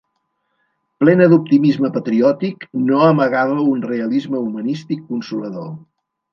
Plena d'optimisme patriòtic, no amagava un realisme humanístic consolador.